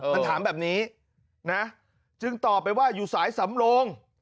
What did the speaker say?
มันถามแบบนี้นะจึงตอบไปว่าอยู่สายสำโลง